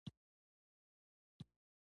کتابچه د ماشوم عقل روښانوي